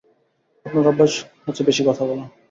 আপনার অভ্যাস হচ্ছে বেশি কথা বলা!